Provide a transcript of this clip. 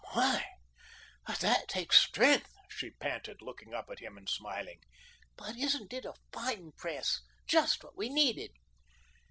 "My, but that takes strength," she panted, looking up at him and smiling. "But isn't it a fine press? Just what we needed."